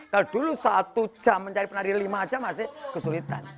kalau dulu satu jam mencari penari lima aja masih kesulitan